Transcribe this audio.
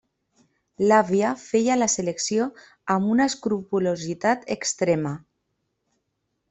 L'àvia feia la selecció amb una escrupolositat extrema.